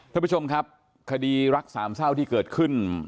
ท่านผู้ชมครับคดีรักสามเศร้าที่เกิดขึ้น